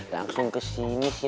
langsung kesini sih